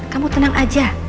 kamu tenang aja